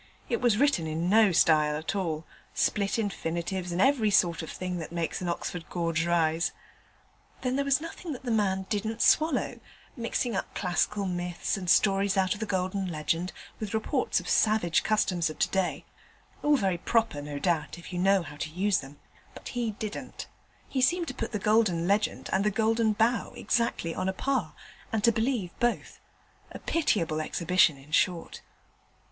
It was written in no style at all split infinitives, and every sort of thing that makes an Oxford gorge rise. Then there was nothing that the man didn't swallow: mixing up classical myths, and stories out of the Golden Legend with reports of savage customs of today all very proper, no doubt, if you know how to use them, but he didn't: he seemed to put the Golden Legend and the Golden Bough exactly on a par, and to believe both: a pitiable exhibition, in short.